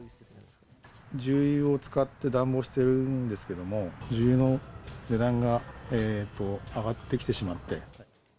重油を使って暖房しているんですけれども、重油の値段が上がってきてしまって。